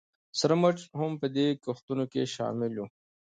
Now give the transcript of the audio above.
سره مرچ هم په دې کښتونو کې شامل وو